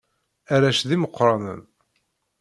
Arrac d imeqqranen.